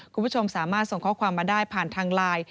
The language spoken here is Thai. คุณผู้ชมสามารถส่งข้อความมาได้ผ่านทางไลน์